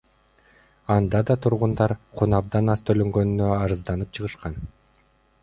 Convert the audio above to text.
Анда да тургундар кун абдан аз төлөнгөнүнө арызданып чыгышкан.